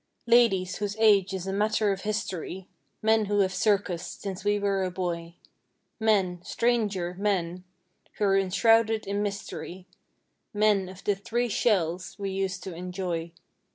Ladies, whose age is a matter of history. Men who have circused since we were a boy. Men—stranger—men, who're enshrouded in mys¬ tery. Men of the "three shells" we used to enjoy.